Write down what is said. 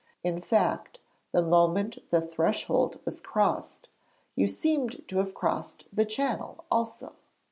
In fact, the moment the threshold was crossed, you seemed to have crossed the Channel also.